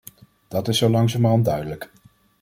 Dat is zo langzamerhand duidelijk.